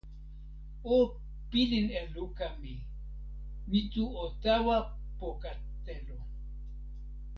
o pilin e luka mi. mi tu o tawa poka telo.